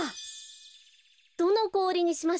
どのこおりにしましょうか。